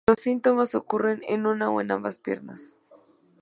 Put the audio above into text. Los síntomas ocurren en una o ambas piernas.